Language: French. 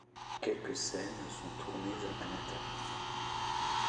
Quelques scènes sont tournées à Manhattan.